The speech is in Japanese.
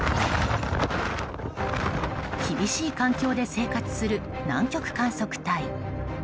厳しい環境で生活する南極観測隊。